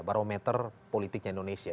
barometer politiknya indonesia